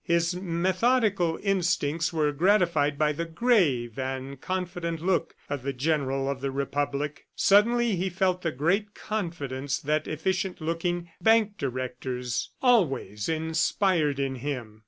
His methodical instincts were gratified by the grave and confident look of the general of the Republic. Suddenly he felt the great confidence that efficient looking bank directors always inspired in him.